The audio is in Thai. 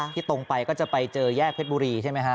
ตรงไปก็จะไปเจอแยกเพชรบุรีใช่ไหมฮะ